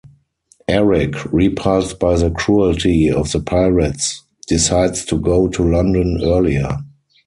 Eric, repulsed by the cruelty of the pirates, decides to go to London earlier.